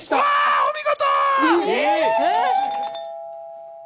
お見事！